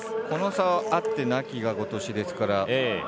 この差はあってなきがごとしですから。